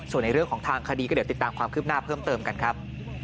ส่วนในเรื่องของทางคดีก็เดี๋ยวติดตามความคืบหน้าเพิ่มเติมกันครับ